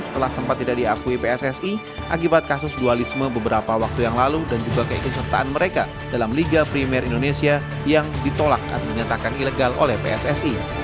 setelah sempat tidak diakui pssi akibat kasus dualisme beberapa waktu yang lalu dan juga keikutsertaan mereka dalam liga primer indonesia yang ditolak atau dinyatakan ilegal oleh pssi